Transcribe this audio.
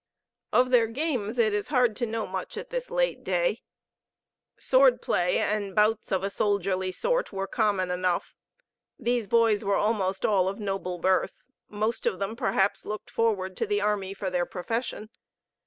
Of their games it is hard to know much at this late day. Sword play and bouts of a soldierly sort were common enough. These boys were almost all of noble birth; most of them perhaps looked for ward to the army for their profession.